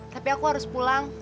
tapi aku harus pulang